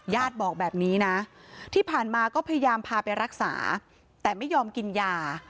บอกแบบนี้นะที่ผ่านมาก็พยายามพาไปรักษาแต่ไม่ยอมกินยา